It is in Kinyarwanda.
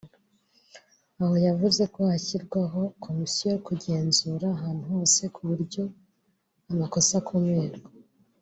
aho yavuze ko hashyirwagaho Komisiyo zo kugenzura ahantu hose ku buryo amakosa akumirwa